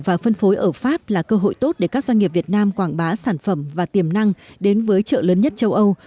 và phân phối ở pháp là cơ hội tốt để các doanh nghiệp việt nam quảng bá sản phẩm và tiềm năng đến với chợ lớn nhất châu âu